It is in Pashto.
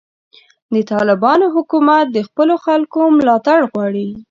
د طالبانو حکومت د خپلو خلکو ملاتړ غواړي.